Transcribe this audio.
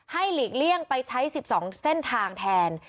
หลีกเลี่ยงไปใช้๑๒เส้นทางแทน